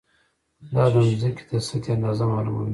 دا د ځمکې د سطحې اندازه معلوموي.